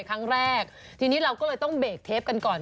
ครั้งแรกทีนี้เราก็เลยต้องเบรกเทปกันก่อน